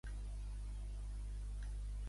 Malalt que desbota la salut torna.